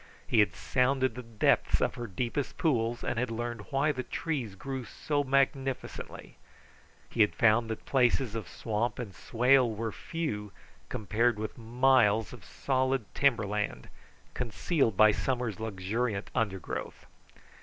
He had sounded the depths of her deepest pools, and had learned why the trees grew so magnificently. He had found that places of swamp and swale were few compared with miles of solid timber land, concealed by summer's luxuriant undergrowth.